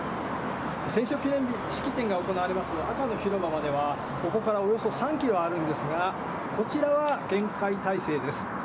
戦勝記念日式典が行われます赤の広場までは、ここからおよそ３キロあるんですが、こちらは厳戒態勢です。